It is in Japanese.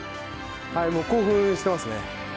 もう興奮してますね。